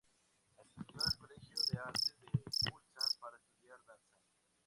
Asistió al Colegio de Arte de Ulsan para estudiar danza.